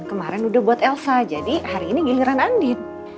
kemaren udah buat elsa jadi hari ini giliran andin